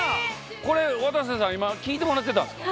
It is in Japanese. これ、渡瀬さん、今、聴いてもらってたんですか。